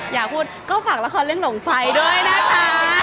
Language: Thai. อยากพูดก็ฝากละครเรื่องหลงไฟด้วยนะคะ